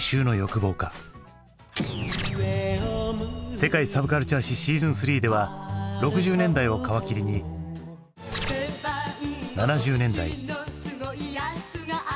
「世界サブカルチャー史シーズン３」では６０年代を皮切りに７０年代。